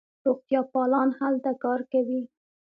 روغتیاپالان هلته کار کوي.